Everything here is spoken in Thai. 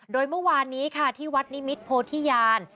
โดยเมื่อวานนี้ค่ะที่วัดนิมิตโพธิญาณ